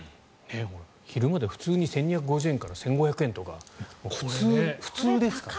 昼まで普通に１２５０円から１５００円とか普通ですから。